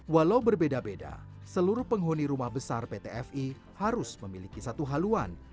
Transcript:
walau berbeda beda seluruh penghuni rumah besar pt fi harus memiliki satu haluan